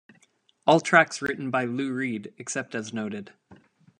All tracks written by Lou Reed except as noted.